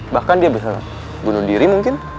bahkan dia bisa bunuh diri mungkin